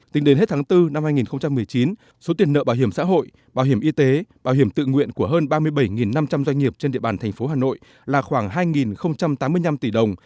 tính đến hết tháng bốn năm hai nghìn một mươi chín số tiền nợ bảo hiểm xã hội bảo hiểm y tế bảo hiểm tự nguyện của hơn ba mươi bảy năm trăm linh doanh nghiệp trên địa bàn thành phố hà nội là khoảng hai tám mươi năm tỷ đồng